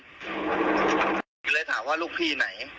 ก็เลยถามว่าลูกพี่ไหน